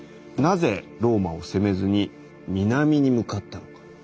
なぜローマを攻めずに南に向かったのか？